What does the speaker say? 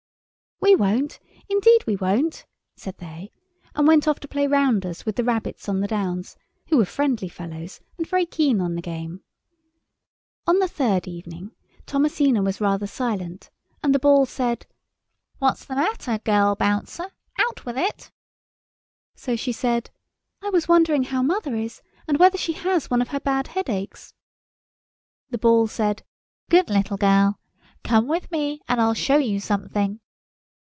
"We won't—indeed, we won't," said they, and went off to play rounders with the rabbits on the downs—who were friendly fellows, and very keen on the game. On the third evening Thomasina was rather silent, and the Ball said, "What's the matter, girl bouncer? Out with it." So she said, "I was wondering how mother is, and whether she has one of her bad headaches." The Ball said, "Good little girl! Come with me and I'll show you something."